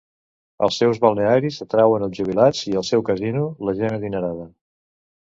Els seus balnearis atrauen els jubilats, i el seu casino, la gent adinerada.